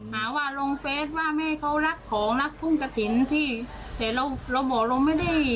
หาว่าลงเฟสว่าแม่เขารักของรักทุ่งกระถิ่นที่แต่เราเราบอกเราไม่ได้